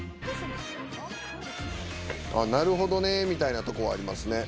「なるほどね」みたいなとこはありますね。